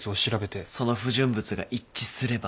その不純物が一致すれば。